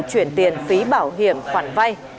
chuyển tiền phí bảo hiểm khoản vay